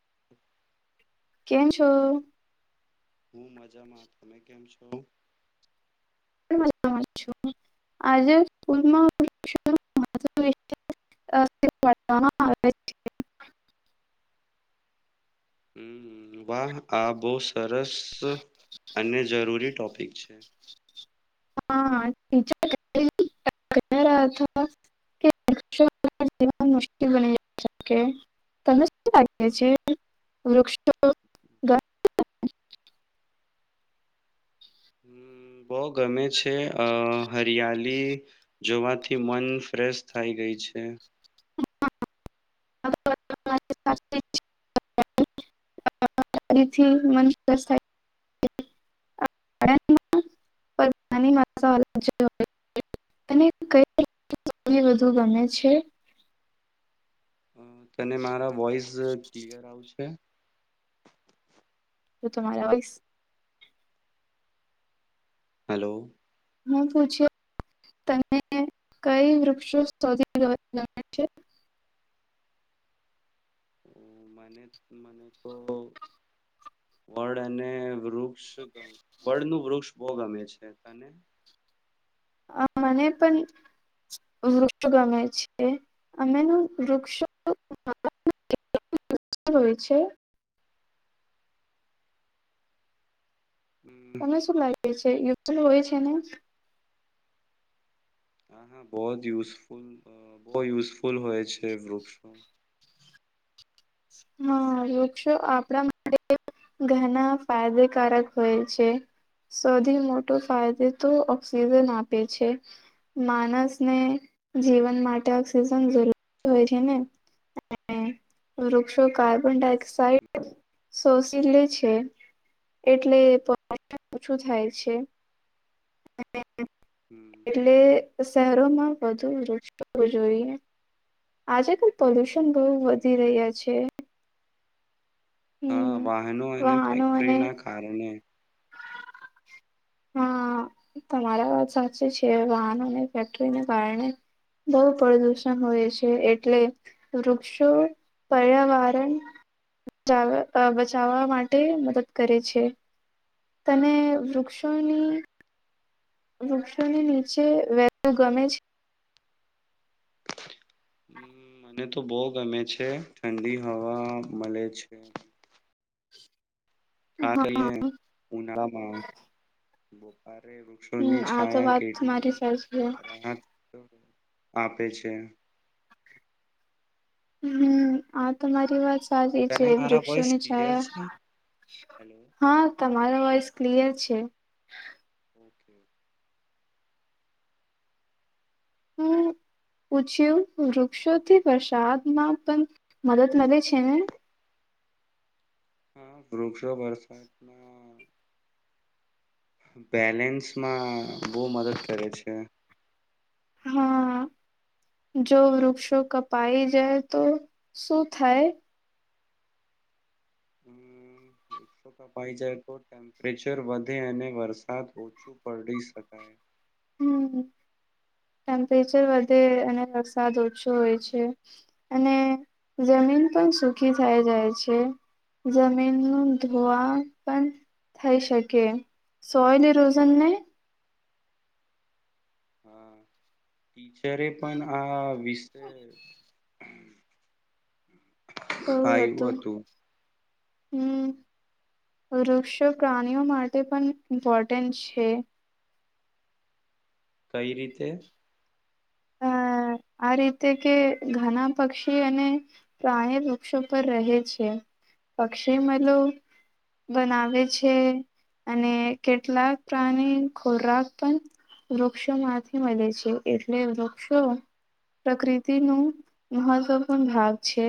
[inaudible] કેમ છો? [inaudible] હું પણ મજામાં છું. આજે [inaudible] આવે છે. હમ્મ. વાહ આ બોવ સરસ અને જરૂરી ટોપિક છે. [inaudible] બઉ ગમે છે. અઅ હરિયાલી જોવાથી મન ફ્રેશ થઈ ગઈ છે. [inaudible] વધુ ગમે છે. અ તને મારા વોઇસ ઝ ક્લિયર આવે છે. તો તમારા વોઇસ હેલો હું પૂછ્યો [inaudible] તને કઈ વૃક્ષો શોધી [inaudible] છે [inaudible] મને તો વડ અને રૂ વૃક્ષ વડનું વૃક્ષ બો ગમે છે. મને પણ વૃક્ષો ગમે છે અને વૃક્ષો [inaudible] હોય છે હમ તમે શું લાગે હોય છે [inaudible] ને? બોજ જ યુઝફુલ બો યુઝફુલ હોય છે વૃક્ષો. હા, વૃક્ષો આપણા માટે ઘણા ફાયદેકારક હોય છે. સૌથી મોટો ફાયદો તો ઓક્સિજન આપે છે. માણસને જીવન માટે ઓક્સિજન જરૂર હોય છે ને? વૃક્ષો કાર્બન ડાયોક્સાઇડ શોષિ લે છે એટલે [inaudible] ઓછું થાય છે. હમ એટલે શહેરોમાં વધુ વૃક્ષો વાવવા જોઈએ. આજે તો પોલ્યુશન બહુ બિલકુલ વધી રહ્યા છે. હા હમ વાહનો અને વાહનો ફેક્ટરી અને ના કારણે હા, તમારા વાત સાચી છે. વાહનોને ફેક્ટરીને કારણે બહુ પ્રદુષણ હોય છે. એટલે વૃક્ષો પર્યાવારણ જાળ અઅ બચાવવા માટે મદદ કરે છે. તને વૃ બિલકુલ ક્ષોની વૃક્ષોની નીચે રહેવું ગમે છે? હમ મને તો બો ગમે છે. ઠંડી હવા મળે છે. છે હા [inaudible] ઉનાળામાં [inaudible] વૃક્ષોની આ તો છાયા વાત મારી કેટલી સાચી છે. રાહત આપે છે. હમ્મ આ તમારી વાત સારી તને છે. મારા વોઇસ વૃક્ષોની ક્લિયર છાયા છે હેલો હા, તમા તમારો વોઈસ ક્લિયર છે. [inaudible] હું પૂછ્યું વૃક્ષોથી વરસાદમાં પણ મદદ મળે છે ને? હા, વૃક્ષો વરસાદમાં બેલેન્સમાં બો મદદ કરે છે. હા, જો વૃક્ષો કપાઈ જાય તો શું થાય? હમ, કપાઈ જાય તો ટેમ્પરેચર વધે અને વરસાદ ઓછું પડી શકાય. હમ્મ. ટેમ્પરેચર વધે અને વરસાદ ઓછો હોય છે અને જમીન પણ સુખી થાય જાય છે. જમીનનું ધોવા પણ થઈ શકે સોઇલ ઇરોઝન ને? હા ટીચરે પણ આ વિષે [inaudible] હોવે હતું હમ વૃક્ષો પ્રાણીઓ માટે પણ ઇમ્પોર્ટન્ટ છે. કઈ રીતે? અ આ રીતે કે ઘણા પક્ષી અને પ્રાણી વૃક્ષો પર રહે છે. પક્ષી માલો બનાવે છે અને કેટલાક પ્રાણી ખોરાક પણ વૃક્ષોમાંથી મળે છે. એટલે વૃક્ષો પ્રકૃતિનું મહત્વપૂર્ણ ભાગ છે.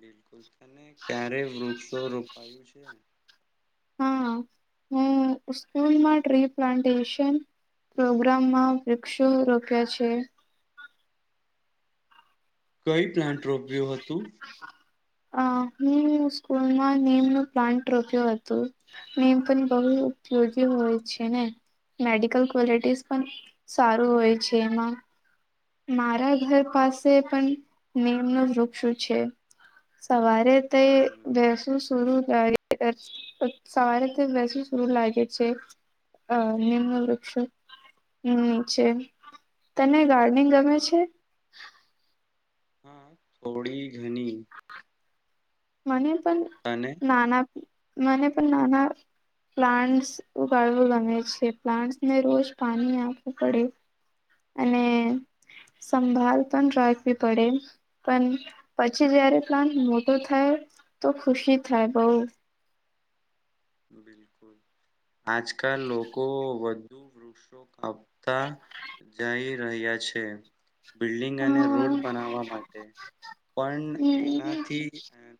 બિલકુલ. તેને ક્યારે વૃક્ષો રોપાયું છે? હા, હું સ્કૂલમાં ટ્રી પ્લાન્ટેશન પ્રોગ્રામમાં વૃક્ષો રોપ્યા છે. કઈ પ્લાન્ટ રોપ્યું હતું? અ હું સ્કૂલમાં નીમનો પ્લાન્ટ રોપ્યું હતું. નીમ પણ બહુ ઉપયોગી હોય છે ને. મેડિકલ કો્વોલિટીસ પણ સારું હોય છે એમાં. મારા ઘર પાસે પણ નીમનું વૃક્ષ છે. સવારે તે બેસું સુરું લાગે સવારે તે બેસું સુરું લાગે છે. અ ની મનું વૃક્ષ નીચે. તને ગા નીંગ ગમે છે? [inaudible] ઘણી મને પણ અને નાના મને પણ નાના પ્લાન્ટસ ઉગાડવું ગમે છે. પ્લાન્ટને રોજ પાણી આપવું પડે અને સંભાળ પણ રાખવી પડે. પણ પછી જયારે પ્લાન્ટ મોટો થાય તો ખુશી થાય બઉ [inaudible] આજકાલ લોકો વ વધુ વૃક્ષો આપતા જાઈ રહ્યા છે. બિલ્ડિંગ અને હા રોડ બનાવવા માટે. પણ એનાથી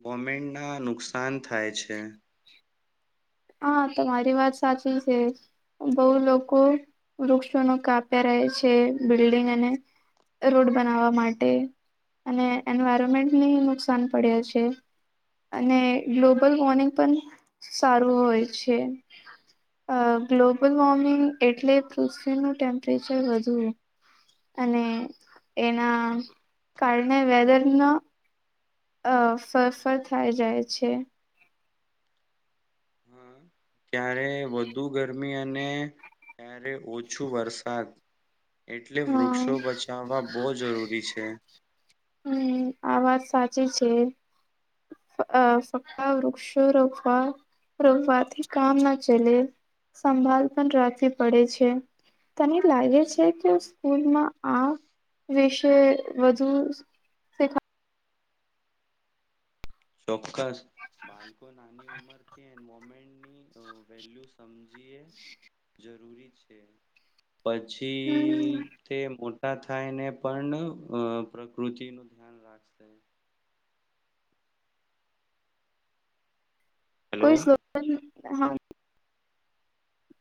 ગવમેન્ટ ના નુકસાન થાય છે. હા, તમારી વાત સાચી છે. બઉ લોકો વૃક્ષોને કાપ્યા રહે છે બિલ્ડિંગ અને રોડ બનાવવા માટે અને એન્વાયરમેન્ટને નુકસાન પડ્યા છે અને ગ્લોબલ વોર્નિંગ પણ સારું હોય છે. ગ્લોબલ વોર્મિંગ એટલે પૃથ્વીનું ટેમ્પરેચર વધુ અને એના કારણે વેધરના અ ફફ થાય જાય છે. હા, ક્યારે વધુ ગરમી અને ત્યારે ઓછું વરસાદ એટલે હા વૃક્ષો બચાવવા બો જરૂરી છે. હમ સાચી છે. ફક્ વૃક્ષો રોવા રોકવાથી કામ ના ચલે સંભળ પણ રાખવી પડે છે. તને લાગે છે. બિલકુલ સ્કૂલમાં આ વિશે વધુ. શીખા [inaudible] બાળકો નાની ઉંમર અમે વેલ્યુ સમજીએ જરૂરી છે. પછી, તે મો થાય ને પણ અ પ્રકૃતિ નું ધ્યાન રાખશે. હેલો, કોઈ સ્લોગન હા,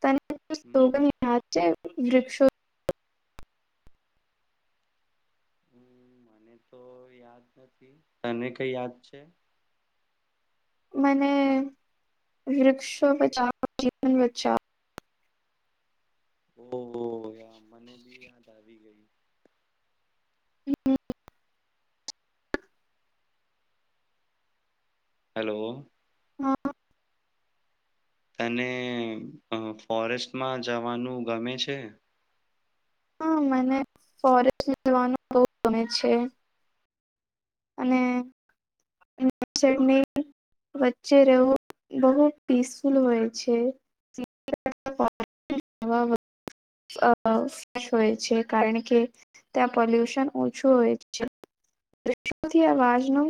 ત હમ ગ છે. વૃક્ષો, હમ્મ, મને તો યાદ નથી તને કઈ યાદ છે. મને વૃક્ષો બચાવો જીવન બચાવ. ઓહ, મને બી યાદ આવી ગઈ. હમ્મ, હેલો, હા, તને ફોરેસ્ટમાં જવાનું ગમે છે. હા મને ફોરેસ્ટવાનો બહ ગ છે. અને વચ્ચે રહેવું બહુ પીસફુલ હોય છે. હોય છે. કારણ કે, ત્યાં પોલ્યુશન ઓછું હોય છે. જ